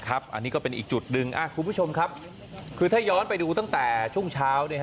อันนี้ก็เป็นอีกจุดหนึ่งคุณผู้ชมครับคือถ้าย้อนไปดูตั้งแต่ช่วงเช้า